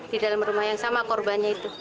sama korbannya itu